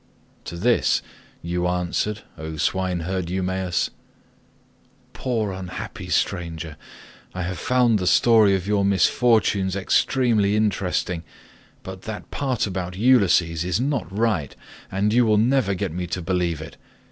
To this you answered, O swineherd Eumaeus, "Poor unhappy stranger, I have found the story of your misfortunes extremely interesting, but that part about Ulysses is not right; and you will never get me to believe it.